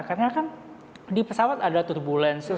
karena kan di pesawat ada turbulensi